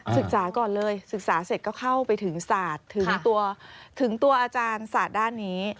ศึกษาก่อนเลยศึกษาเสร็จก็เข้าไปถึงศาสตร์ถึงตัวถึงตัวอาจารย์ศาสตร์ด้านนี้